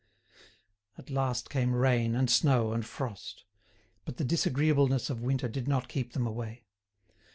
At last came rain, and snow, and frost. But the disagreeableness of winter did not keep them away.